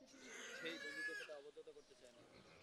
হেই, বন্ধুদের সাথে আর অভদ্রতা করতে চাই না।